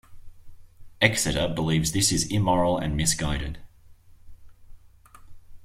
Exeter believes this is immoral and misguided.